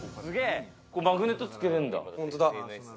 マグネットつけるんだ。